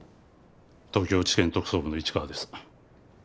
東京地検特捜部の市川です。